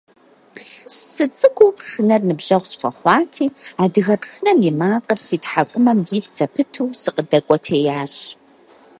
СыцӀыкӀуу пшынэр ныбжьэгъу схуэхъуати, адыгэ пшынэм и макъыр си тхьэкӀумэм ит зэпыту сыкъыдэкӀуэтеящ.